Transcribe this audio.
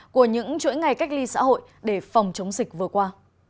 của những chuỗi ngày cách ly xã hội để phòng chống dịch vừa qua